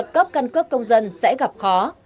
các công dân sẽ gặp khó